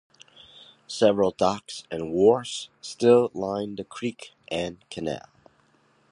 Several docks and wharfs still line the creek and canal.